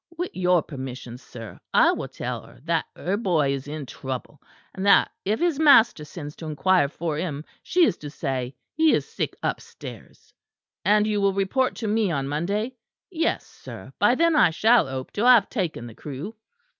"With your permission, sir, I will tell her that her boy is in trouble, and that if his master sends to inquire for him, she is to say he is sick upstairs." "And you will report to me on Monday?" "Yes, sir; by then I shall hope to have taken the crew."